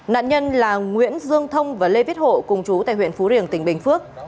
nạn nhân là nguyễn dương thông và lê viết hộ cùng chú tại huyện phú riềng tỉnh bình phước